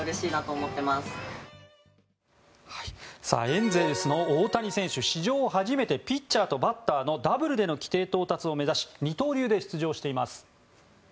エンゼルスの大谷選手史上初めてピッチャーとバッターのダブルでの規定到達を目指し二刀流で出場しています。